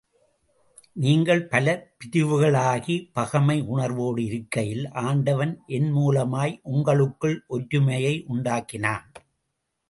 நீங்கள் பல பிரிவுகளாகி, பகைமை உணர்வோடு இருக்கையில், ஆண்டவன் என் மூலமாய் உங்களுககுள் ஒற்றுமையை உண்டாக்கினான்.